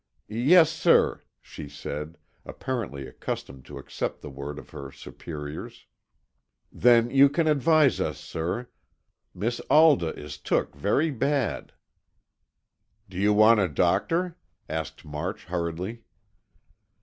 "Yes, sir," she said, apparently accustomed to accept the word of her superiors. "Then you can advise us, sir. Miss Alda is took very bad." "Do you want a doctor?" asked March, hurriedly.